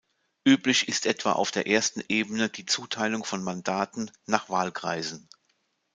Üblich ist etwa auf der ersten Ebene die Zuteilung von Mandaten nach Wahlkreisen.